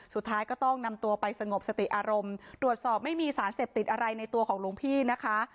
สุดท้ายก็ต้องนำตัวไปสงบสติอารมณ์ตรวจสอบไม่มีสารเสพติดอะไรในตัวของหลวงพี่นะคะ